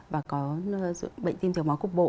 và có bệnh tim thiếu máu cúc bộ